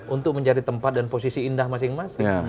untuk mencari tempat dan posisi indah masing masing